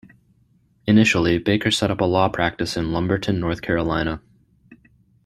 Initially, Baker set up a law practice in Lumberton, North Carolina.